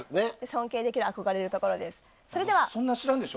尊敬できる、憧れるところです。